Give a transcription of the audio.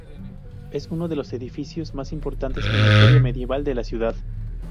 Es uno de los edificios más importantes en la historia medieval de la ciudad.